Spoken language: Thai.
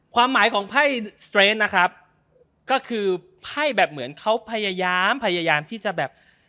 ความหมายของไพ่สเตรนดนะครับก็คือไพ่แบบเหมือนเขาพยายามพยายามที่จะแบบ